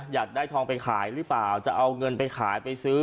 อยากได้ทองไปขายหรือเปล่าจะเอาเงินไปขายไปซื้อ